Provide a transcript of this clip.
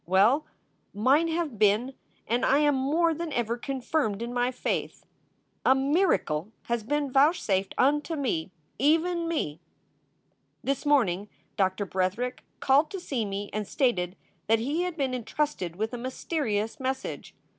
Well, mine have been and I am more than ever confirmed in my faith. A miracle has been vouchsafed unto me, even me! This morning Doctor Bretherick called to see me and stated that he had been intrusted with a mysterious message.